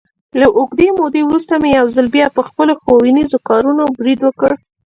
له اوږدې مودې ورسته مې یو ځل بیا، په خپلو ښوونیزو کارونو برید وکړ.